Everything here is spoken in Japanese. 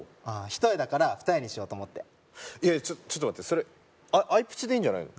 一重だから二重にしようと思っていやいやちょっと待ってそれアイプチでいいんじゃないの？